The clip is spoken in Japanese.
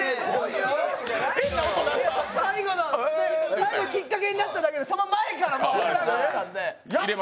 最後のきっかけになっただけで、その前から。